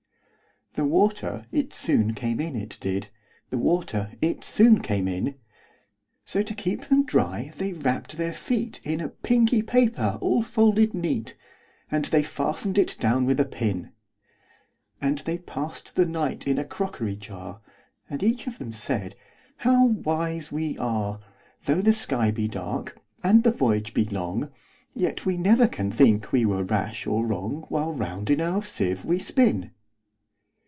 The water it soon came in, it did; The water it soon came in:So, to keep them dry, they wrapp'd their feetIn a pinky paper all folded neat:And they fasten'd it down with a pin. And they pass'd the night in a crockery jar; And each of them said, "How wise we are! Though the sky be dark, and the voyage be long, Yet we never can think we were rash or wrong, While round in our sieve we spin."